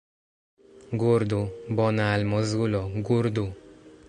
Gurdu, bona almozulo, gurdu!